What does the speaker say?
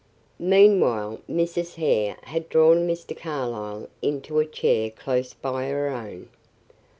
Meanwhile Mrs. Hare had drawn Mr. Carlyle into a chair close by her own.